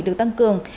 được tăng cường